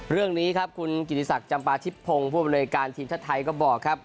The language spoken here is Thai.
เรื่องนี้ครับคุณกิติศักดิ์จำปาทิพพงศ์ผู้บริการทีมชาติไทยก็บอกครับ